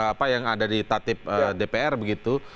apa yang ada di tatip dpr begitu